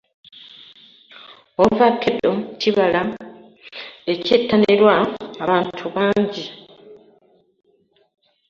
Ovakedo kibala ekyettanirwa abantu bangi.